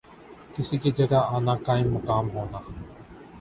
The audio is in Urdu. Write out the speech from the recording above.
کسی کی جگہ آنا، قائم مقام ہونا